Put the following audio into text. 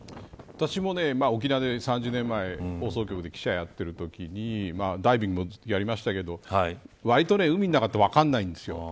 私も沖縄で３０年前放送局で記者をやっているときにダイビングやりましたけど割と海の中って分からないんです。